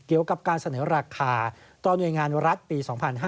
เกี่ยวกับการเสนอราคาต่อหน่วยงานรัฐปี๒๕๕๙